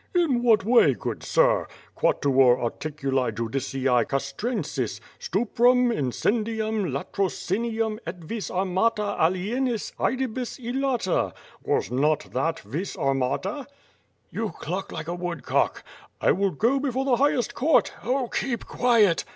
"In what way, good sir? Quaiuor articuli judicii cas trensis : stuprum, incendium, latrocinium et vis armata alienis aedibus illata. Was not that vis armatat" "You cluck like a woodcock." "I will go before the highest court." "Oh keep quiet."